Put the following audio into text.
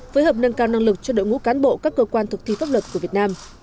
phối hợp nâng cao năng lực cho đội ngũ cán bộ các cơ quan thực thi pháp luật của việt nam